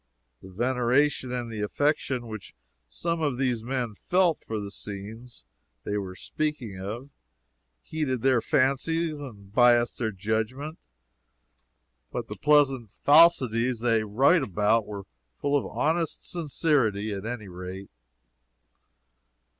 The veneration and the affection which some of these men felt for the scenes they were speaking of, heated their fancies and biased their judgment; but the pleasant falsities they wrote were full of honest sincerity, at any rate.